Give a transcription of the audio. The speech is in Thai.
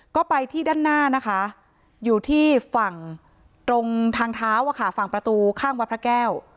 ก็ไปที่ด้านหน้านะคะอยู่ที่ฝั่งตรงทางเท้าฝั่งประตูข้างวัดพระแก้ว